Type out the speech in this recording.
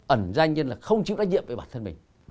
ẩn danh nhưng là không chịu trách nhiệm về bản thân mình